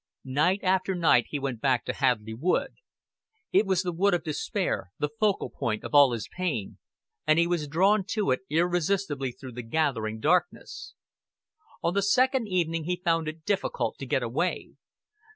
Night after night he went back to Hadleigh Wood. It was the wood of despair, the focal point of all his pain, and he was drawn to it irresistibly through the gathering darkness. On the second evening he found it difficult to get away.